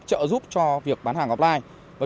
trợ giúp cho việc bán hàng offline